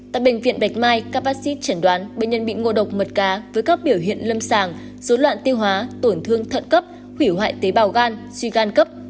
tại bệnh viện bạch mai các bác sĩ chẩn đoán bệnh nhân bị ngộ độc mật cá với các biểu hiện lâm sàng dối loạn tiêu hóa tổn thương thận cấp hủy hoại tế bào gan suy gan cấp